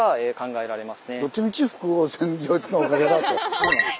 そうなんです。